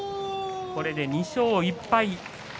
これで２勝１敗。